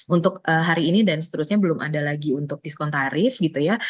untuk hari ini dan seterusnya belum ada lagi untuk diskon tarif gitu ya